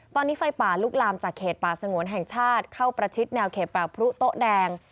ตอนนี้ไฟป่าลุกลามจากเขตป่าสงวนแห่งชาติเข้าประชิดแนวเขตป่าพรุโต๊ะแดง